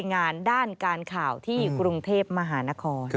งานด้านการข่าวที่กรุงเทพมหานคร